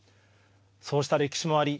そうした歴史もあり